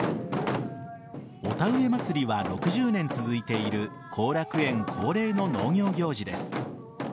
お田植え祭は６０年続いている後楽園恒例の農業行事です。